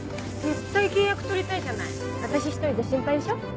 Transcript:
絶対契約取りたいじゃない私一人じゃ心配でしょ。